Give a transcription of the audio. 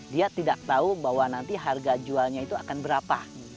dia tidak tahu bahwa nanti harga jualnya itu akan berapa